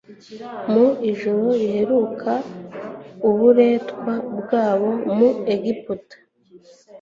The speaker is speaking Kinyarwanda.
Mu ijoro riheruka uburetwa bwabo mu Egiputa,